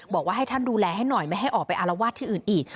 บอกว่าให้ท่านดูแลให้หน่อยไม่ให้ออกไปอารวาสที่อื่นอีก